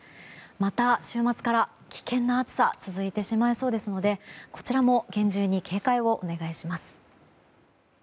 また、週末から危険な暑さが続いてしまいそうですのでこちらも厳重に警戒をお願いします。